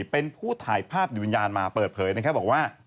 เป็นผู้ถ่ายภาพวิญญาณมาเปิดเผยบอกว่า